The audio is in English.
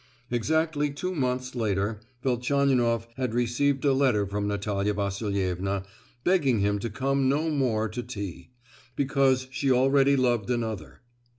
Exactly two months later Velchaninoff had received a letter from Natalia Vasilievna, begging him to come no more to T——, because that she already loved another.